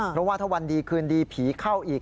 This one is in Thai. เพราะว่าถ้าวันดีคืนดีผีเข้าอีก